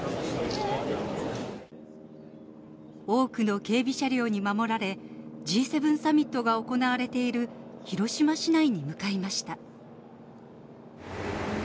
多くの警備車両に守られ、Ｇ７サミットが行われている広島市内に向かいました。